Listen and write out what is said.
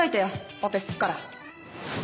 オペすっから。